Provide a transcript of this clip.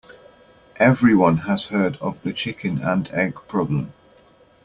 Everyone has heard of the chicken and egg problem.